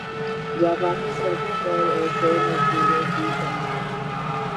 Japan کی سڑکوں پر ایسے مزدوروں کی کمی نہیں